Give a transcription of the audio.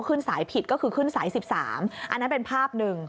ขึ้นสายผิดก็คือขึ้นสาย๑๓อันนั้นเป็นภาพหนึ่ง